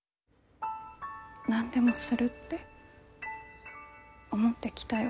何でもするって思ってきたよ。